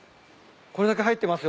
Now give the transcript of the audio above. これだけ入ってます